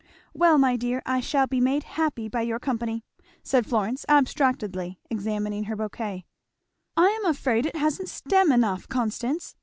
"Well, my dear, I shall be made happy by your company," said Florence abstractedly, examining her bouquet, "I am afraid it hasn't stem enough, Constance!